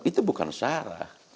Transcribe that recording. itu bukan syarah